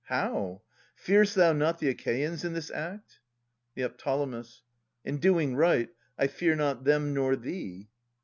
How ? Fear'st thou not the Achaeans in this act ? Neo. In doing right I fear not them nor thee.